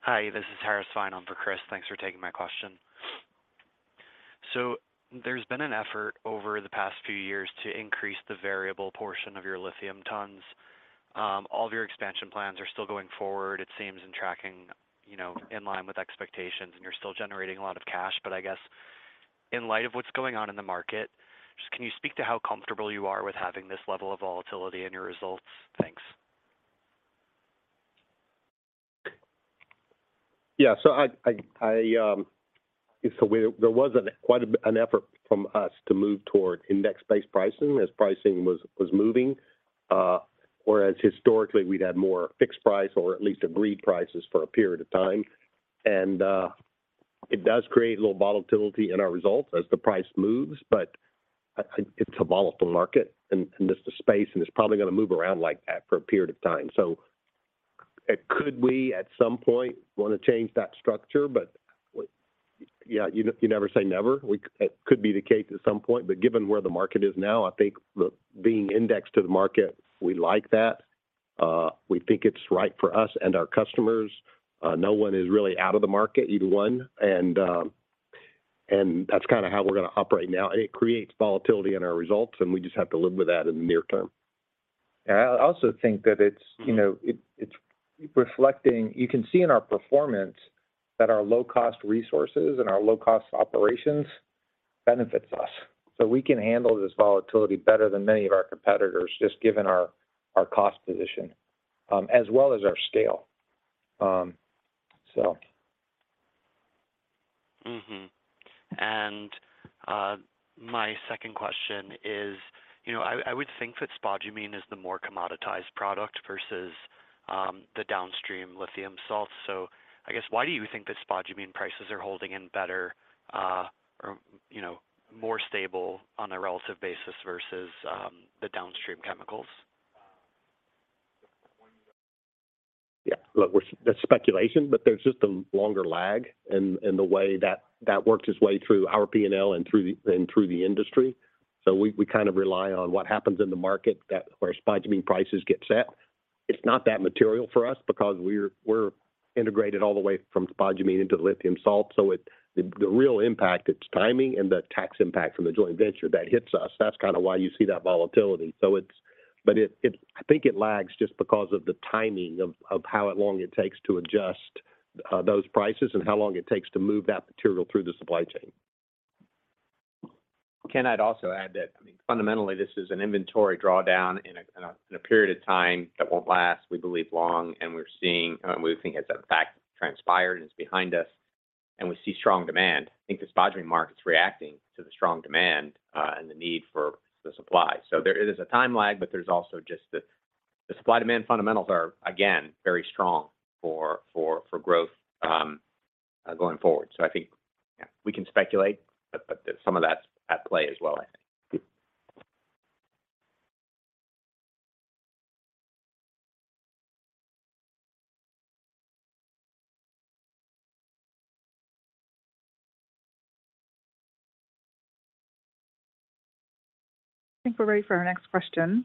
Hi, this is Harris Fein on for Chris. Thanks for taking my question. There's been an effort over the past few years to increase the variable portion of your lithium tons. All of your expansion plans are still going forward, it seems, and tracking, you know, in line with expectations, and you're still generating a lot of cash. I guess in light of what's going on in the market, just can you speak to how comfortable you are with having this level of volatility in your results? Thanks. Yeah. I there was quite an effort from us to move toward index-based pricing as pricing was moving. Whereas historically we'd had more fixed price or at least agreed prices for a period of time. It does create a little volatility in our results as the price moves, but I... It's a volatile market and just the space, and it's probably gonna move around like that for a period of time. Could we at some point wanna change that structure? Yeah, you never say never. It could be the case at some point. Given where the market is now, I think the being indexed to the market, we like that. We think it's right for us and our customers. No one is really out of the market either one. That's kinda how we're gonna operate now. It creates volatility in our results, and we just have to live with that in the near term. I also think that it's, you know, it's reflecting. You can see in our performance that our low cost resources and our low cost operations benefits us. We can handle this volatility better than many of our competitors, just given our cost position, as well as our scale. My second question is, you know, I would think that spodumene is the more commoditized product versus the downstream lithium salts. I guess why do you think that spodumene prices are holding in better, or, you know, more stable on a relative basis versus the downstream chemicals? Look, that's speculation, but there's just a longer lag in the way that works its way through our P&L and through the, and through the industry. We kind of rely on what happens in the market that where spodumene prices get set. It's not that material for us because we're integrated all the way from spodumene into the lithium salt. The real impact, it's timing and the tax impact from the joint venture that hits us. That's kinda why you see that volatility. But I think it lags just because of the timing of how long it takes to adjust those prices and how long it takes to move that material through the supply chain. Can I also add that, I mean, fundamentally, this is an inventory drawdown in a period of time that won't last, we believe, long, and we're seeing, we think as that fact transpired and is behind us, and we see strong demand. I think the spodumene market's reacting to the strong demand, and the need for the supply. There is a time lag, but there's also just the The supply-demand fundamentals are, again, very strong for growth going forward. I think, yeah, we can speculate, but there's some of that's at play as well, I think. I think we're ready for our next question.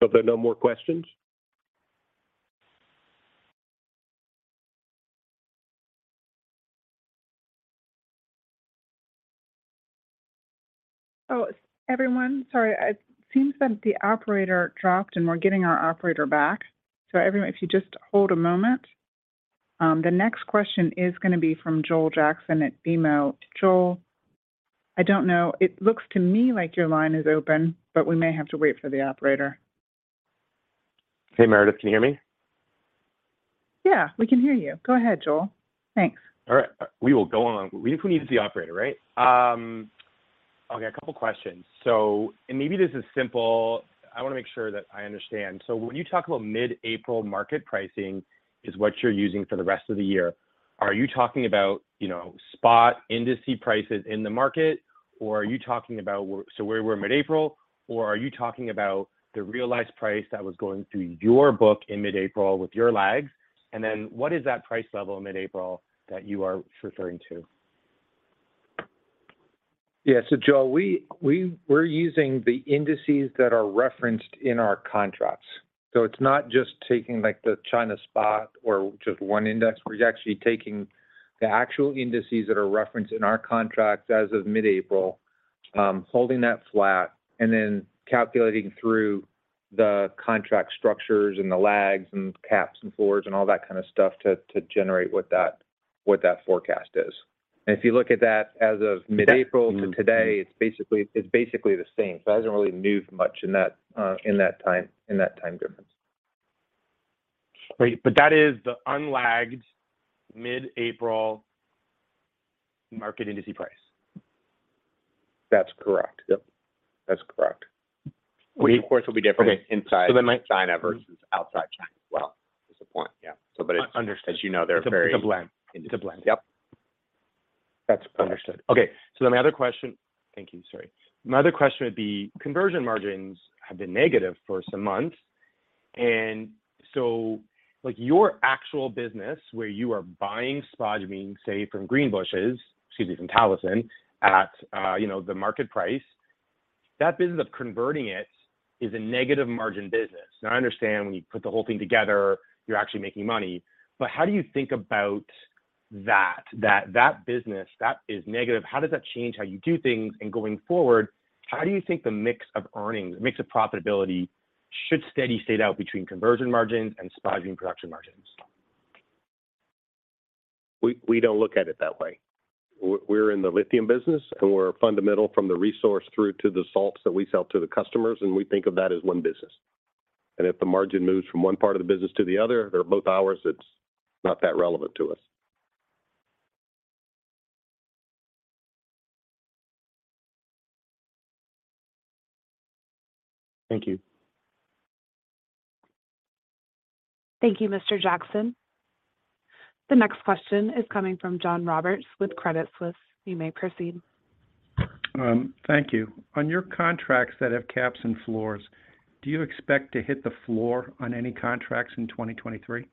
Are there no more questions? Oh, everyone, sorry. It seems that the operator dropped, and we're getting our operator back. Everyone, if you just hold a moment. The next question is gonna be from Joel Jackson at BMO. Joel, I don't know. It looks to me like your line is open, but we may have to wait for the operator. Hey, Meredith, can you hear me? Yeah, we can hear you. Go ahead, Joel. Thanks. All right. We will go on. We think we need the operator, right? Okay, a couple questions. Maybe this is simple. I wanna make sure that I understand. When you talk about mid-April market pricing is what you're using for the rest of the year, are you talking about, you know, spot industry prices in the market? Are you talking about so we're mid-April. Are you talking about the realized price that was going through your book in mid-April with your lags? What is that price level in mid-April that you are referring to? Yeah. Joel, we're using the indices that are referenced in our contracts. It's not just taking, like, the China spot or just one index. We're actually taking the actual indices that are referenced in our contracts as of mid-April, holding that flat and then calculating through the contract structures and the lags and caps and floors and all that kind of stuff to generate what that forecast is. If you look at that as of mid-April to today, it's basically the same. It hasn't really moved much in that time difference. Right. That is the unlagged mid-April market industry price. That's correct. Yep, that's correct. We- Which of course will be. Okay. inside China versus outside China as well. That's the point, yeah. it's- Understood. you know, they're. It's a blend. Index. It's a blend. Yep. That's understood. Okay. My other question would be conversion margins have been negative for some months, like, your actual business where you are buying spodumene, say from Greenbushes, excuse me, from Talison, at, you know, the market price, that business of converting it is a negative margin business. Now, I understand when you put the whole thing together, you're actually making money. How do you think about that? That business that is negative, how does that change how you do things? Going forward, how do you think the mix of earnings, the mix of profitability should steady state out between conversion margins and spodumene production margins? We don't look at it that way. We're in the lithium business, and we're fundamental from the resource through to the salts that we sell to the customers. We think of that as one business. If the margin moves from one part of the business to the other, they're both ours. It's not that relevant to us. Thank you. Thank you, Mr. Jackson. The next question is coming from John Roberts with Credit Suisse. You may proceed. Thank you. On your contracts that have caps and floors, do you expect to hit the floor on any contracts in 2023?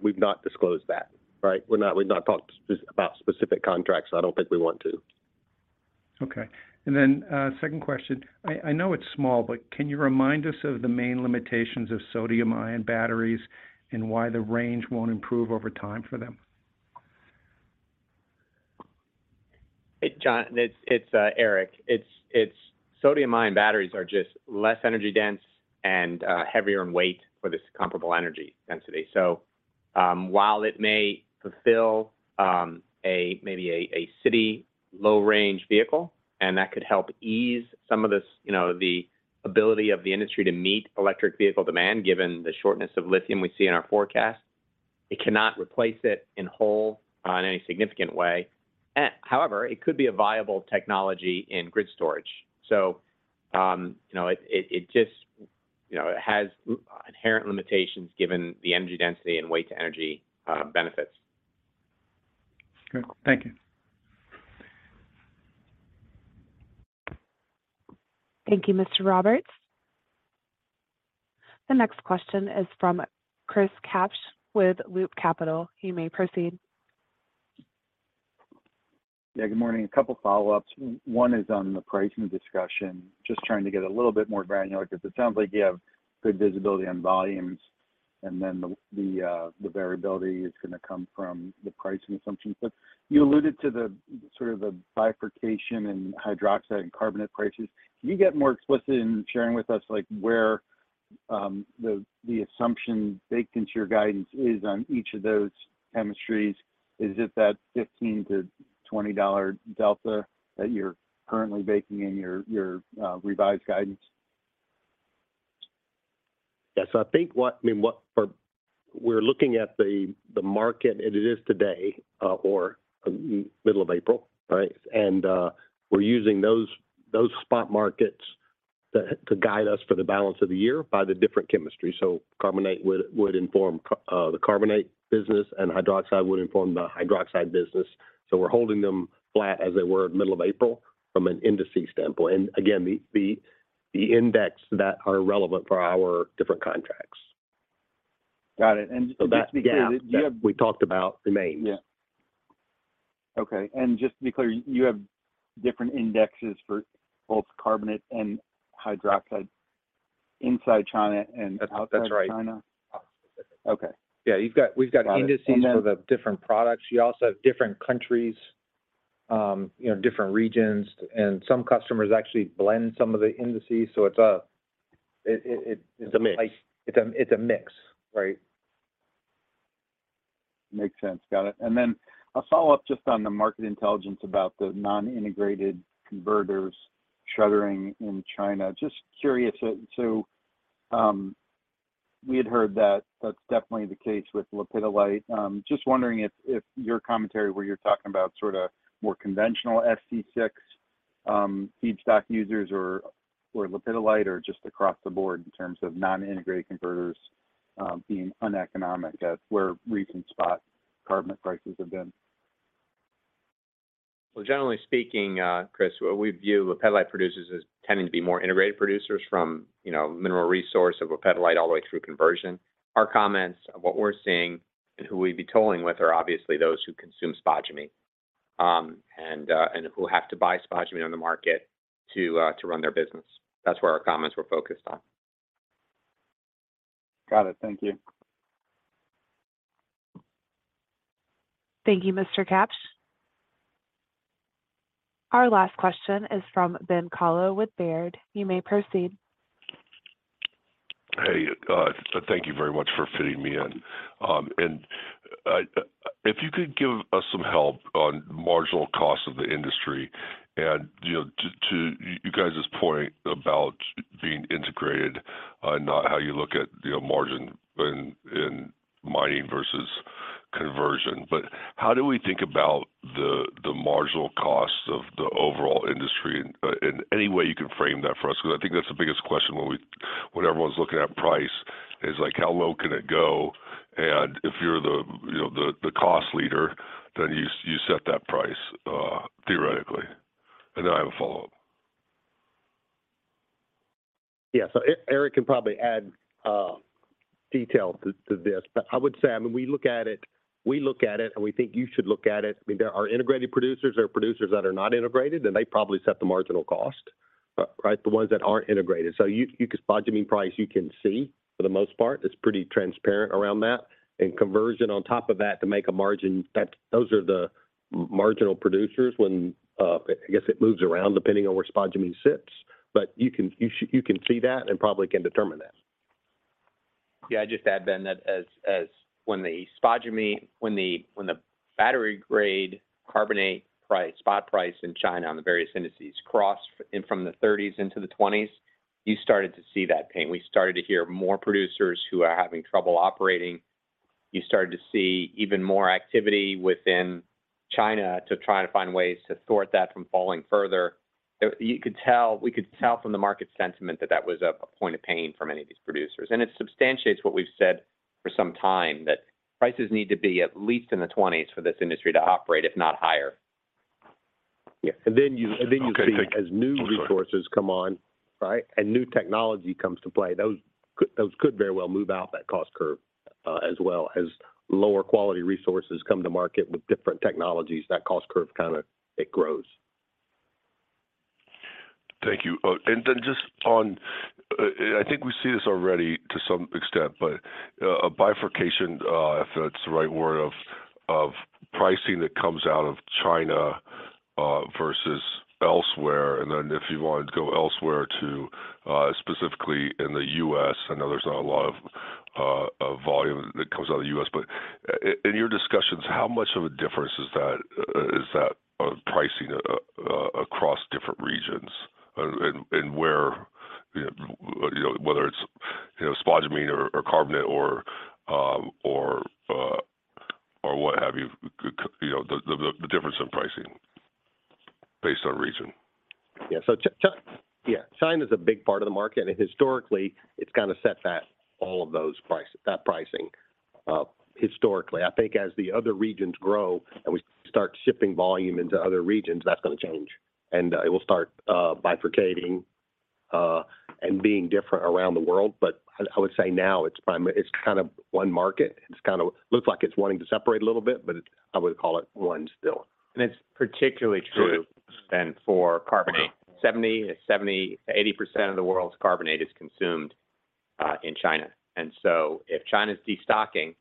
We've not disclosed that, right? We're not, we've not talked about specific contracts. I don't think we want to. Okay. Second question. I know it's small, but can you remind us of the main limitations of sodium-ion batteries and why the range won't improve over time for them? Hey, John, it's Eric. It's sodium-ion batteries are just less energy-dense and heavier in weight for this comparable energy density. While it may fulfill a, maybe a city low-range vehicle, and that could help ease some of this, you know, the ability of the industry to meet electric vehicle demand, given the shortness of lithium we see in our forecast, it cannot replace it in whole, in any significant way. However, it could be a viable technology in grid storage. you know, it just, you know, it has inherent limitations given the energy density and weight-to-energy benefits. Okay, thank you. Thank you, Mr. Roberts. The next question is from Chris Kapsch with Loop Capital. You may proceed. Yeah, good morning. A couple follow-ups. One is on the pricing discussion. Just trying to get a little bit more granular because it sounds like you have good visibility on volumes and then the variability is gonna come from the pricing assumptions. You alluded to the, sort of the bifurcation in hydroxide and carbonate prices. Can you get more explicit in sharing with us, like, where the assumption baked into your guidance is on each of those chemistries is just that $15-$20 delta that you're currently baking in your revised guidance? Yes. I mean, what we're looking at the market as it is today, or middle of April, right. We're using those spot markets to guide us for the balance of the year by the different chemistries. Carbonate would inform the carbonate business, and hydroxide would inform the hydroxide business. We're holding them flat as they were at middle of April from an indices standpoint. Again, the index that are relevant for our different contracts. Got it. just to be clear, you have... That gap that we talked about remains. Yeah. Okay. Just to be clear, you have different indexes for both carbonate and hydroxide inside China and outside China? That's right. Okay. Yeah, we've got indices for the different products. You also have different countries, you know, different regions, and some customers actually blend some of the indices. It's a. It's a mix. Like, it's a, it's a mix, right. Makes sense. Got it. A follow-up just on the market intelligence about the non-integrated converters shuttering in China. Just curious. We had heard that that's definitely the case with lepidolite. Just wondering if your commentary where you're talking about sort of more conventional SC6 feedstock users or lepidolite or just across the board in terms of non-integrated converters being uneconomic at where recent spot carbonate prices have been? Generally speaking, Chris, what we view lepidolite producers as tending to be more integrated producers from, you know, mineral resource of a lepidolite all the way through conversion. Our comments of what we're seeing and who we'd be tolling with are obviously those who consume spodumene, and who have to buy spodumene on the market to run their business. That's where our comments were focused on. Got it. Thank you. Thank you, Mr. Kapsch. Our last question is from Ben Kallo with Baird. You may proceed. Hey, thank you very much for fitting me in. If you could give us some help on marginal costs of the industry and, you know, to you guys' point about being integrated, not how you look at, you know, margin in mining versus conversion, but how do we think about the marginal costs of the overall industry? In any way you can frame that for us, because I think that's the biggest question when everyone's looking at price is like, how low can it go? If you're the, you know, the cost leader, then you set that price, theoretically. I have a follow-up. Eric can probably add detail to this. I would say, I mean, we look at it and we think you should look at it. I mean, there are integrated producers. There are producers that are not integrated, and they probably set the marginal cost, right, the ones that aren't integrated. You, spodumene price you can see for the most part, it's pretty transparent around that. Conversion on top of that to make a margin, those are the marginal producers when, I guess it moves around depending on where spodumene sits. You can see that and probably can determine that. Yeah. I'd just add, Ben, that as when the spodumene, when the battery-grade carbonate price, spot price in China on the various indices crossed from the $30s into the $20s, you started to see that pain. We started to hear more producers who are having trouble operating. You started to see even more activity within China to try to find ways to thwart that from falling further. You could tell, we could tell from the market sentiment that that was a point of pain for many of these producers. It substantiates what we've said for some time, that prices need to be at least in the $20s for this industry to operate, if not higher. Yeah. Then you see as new resources come on, right, and new technology comes to play, those could very well move out that cost curve, as well as lower quality resources come to market with different technologies. That cost curve, kinda it grows. Thank you. Then just on, I think we see this already to some extent, but a bifurcation, if that's the right word, of pricing that comes out of China versus elsewhere. Then if you wanted to go elsewhere to specifically in the U.S., I know there's not a lot of volume that comes out of the U.S., but in your discussions, how much of a difference is that, is that pricing across different regions? Where, you know, whether it's spodumene or carbonate or what have you know, the difference in pricing based on region? Yeah. China's a big part of the market. Historically it's kinda set that, all of those price, that pricing, historically. I think as the other regions grow and we start shipping volume into other regions, that's gonna change, and it will start bifurcating and being different around the world. I would say now it's kind of one market. It's kind of looks like it's wanting to separate a little bit, but it's, I would call it one still. It's particularly true, Ben, for carbonate. 70-80% of the world's carbonate is consumed in China. If China's de-stocking,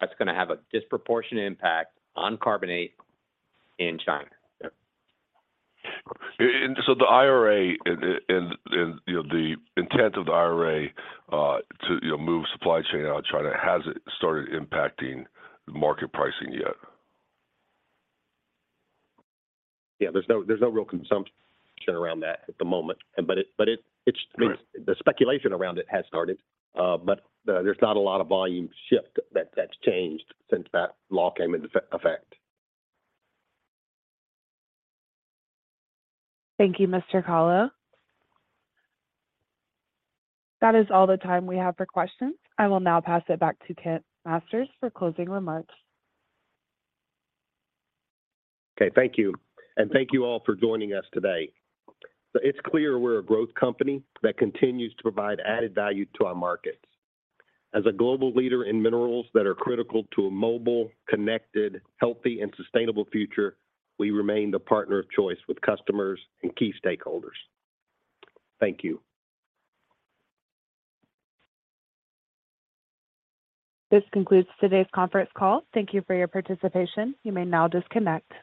that's gonna have a disproportionate impact on carbonate in China. Yep. The IRA and, you know, the intent of the IRA, to, you know, move supply chain out of China, has it started impacting market pricing yet? Yeah, there's no real consumption around that at the moment. Right. The speculation around it has started. There's not a lot of volume shift that's changed since that law came into effect. Thank you, Mr. Kallo. That is all the time we have for questions. I will now pass it back to Kent Masters for closing remarks. Okay. Thank you, and thank you all for joining us today. It's clear we're a growth company that continues to provide added value to our markets. As a global leader in minerals that are critical to a mobile, connected, healthy, and sustainable future, we remain the partner of choice with customers and key stakeholders. Thank you. This concludes today's conference call. Thank you for your participation. You may now disconnect.